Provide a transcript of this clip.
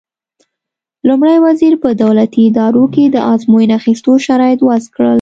لومړي وزیر په دولتي ادارو کې د ازموینې اخیستو شرایط وضع کړل.